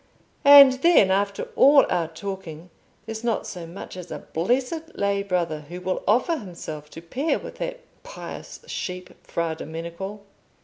And then, after all our talking, there's not so much as a blessed lay brother who will offer himself to pair with that pious sheep Fra Domenico."